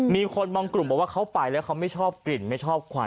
มีคนบางกลุ่มบอกว่าเขาไปแล้วเขาไม่ชอบกลิ่นไม่ชอบควัน